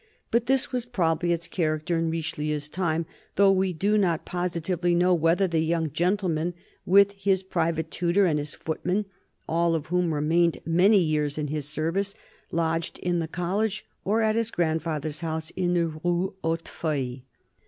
But this was probably its character in Richelieu's time, though we do not positively know whether the young gentleman, with his private tutor and his footmen — all of whom remained many years in his service — lodged in the college or at his grandfather's house in the Rue Hautefeuille.